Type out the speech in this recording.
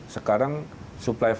sekarang supply vaksinnya